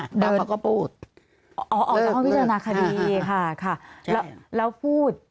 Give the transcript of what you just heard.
ปราบเขาก็พูดอ๋อออกจากห้องวิจารณาคดีค่ะค่ะใช่แล้วแล้วพูด